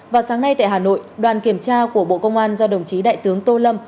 vào sáng nay tại hà nội đoàn kiểm tra của bộ công an do đồng chí đại tướng tô lâm